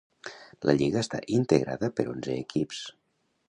La lliga està integrada per onze equips.